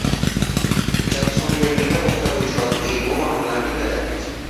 জাতিসংঘের নিরাপত্তা পরিষদ এই বোমা হামলার নিন্দা জানিয়েছে।